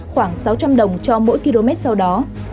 khoảng sáu trăm linh đồng cho mỗi km sau đó